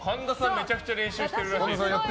めちゃくちゃ練習してるらしい。